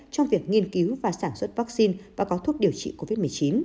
trong việc nghiên cứu và sản xuất vaccine và có thuốc điều trị covid một mươi chín